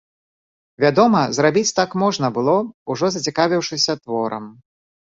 Вядома, зрабіць так можна было, ужо зацікавіўшыся творам.